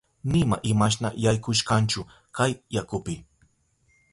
Nima imashna yaykushanchu kay yakupi.